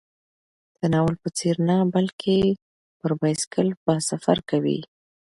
د ناول په څېر نه، بلکې پر بایسکل به سفر کوي.